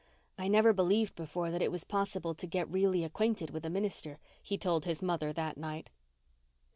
"I never believed before that it was possible to get really acquainted with a minister," he told his mother that night.